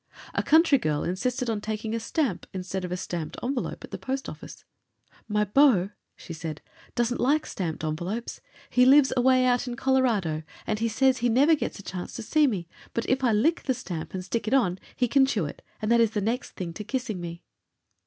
A country girl insisted on taking a stamp instead of a stamped envelope at the post office. "My beau," she said, "doesn't like stamped envelopes. He lives away out in Colorado, and he says he never gets a chance to see me; but if I lick the stamp and stick it on, he can chew it, and it is the next thing to kissing me."